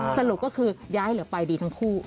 สรุปก็คือย้ายหรือไปดีทั้งคู่